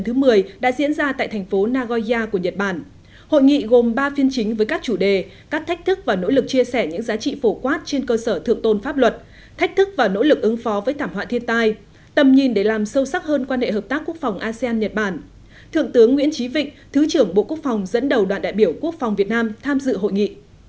thượng tướng nguyễn trí vịnh thứ trưởng bộ quốc phòng dẫn đầu đoàn đại biểu quốc phòng việt nam tham dự hội nghị